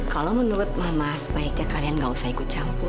kalau menurut mama sebaiknya kalian gak usah ikut campur